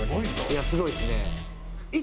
いやすごいですね。